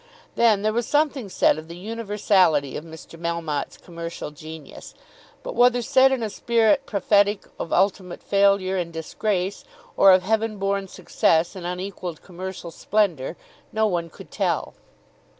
Then there was something said of the universality of Mr. Melmotte's commercial genius, but whether said in a spirit prophetic of ultimate failure and disgrace, or of heavenborn success and unequalled commercial splendour, no one could tell.